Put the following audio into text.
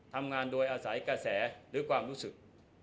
ทำงานโดยอาศัยกระแสหรือความรู้สึก